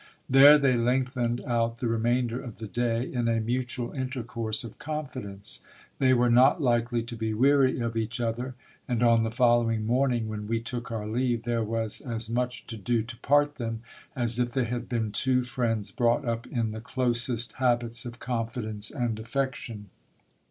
There they lengthened out the remainder of the day in a mutual intercourse of confidence. They were not likely to be weary of each other : and on the following morning, when we took our leave, there was as much to do to part them, as if they had been two friends brought up in the closest habits of confidence and affection.